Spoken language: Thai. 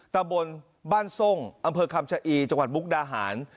ตะบนบ้านทรงอำเภอคำชะอีจังหวัดมุกดาหาร